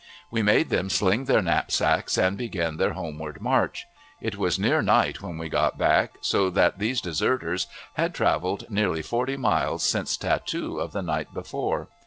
We made them sling their knapsacks and begin their homeward march. It was near night when we got back, so that these deserters had traveled nearly forty miles since "tattoo" of the night before.